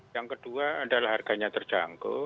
yang kedua adalah harganya terjangkau